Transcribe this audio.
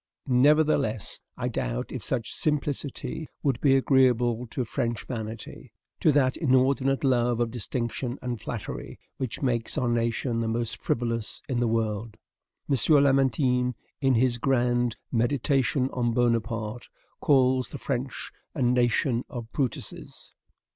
Nevertheless, I doubt if such simplicity would be agreeable to French vanity, to that inordinate love of distinction and flattery which makes our nation the most frivolous in the world. M. Lamartine, in his grand "Meditation on Bonaparte," calls the French A NATION OF BRUTUSES.